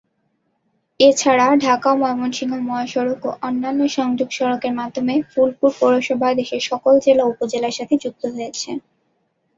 এছাড়া ঢাকা-ময়মনসিংহ মহাসড়ক ও অন্যান্য সংযোগ সড়কের মাধ্যমে ফুলপুর পৌরসভা দেশের সকল জেলা ও উপজেলার সাথে সংযুক্ত হয়েছে।